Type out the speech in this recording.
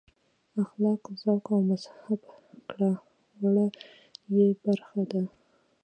اخلاق ذوق او مهذب کړه وړه یې برخې دي.